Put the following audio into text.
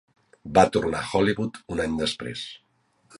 Va tornar a Hollywood un any després.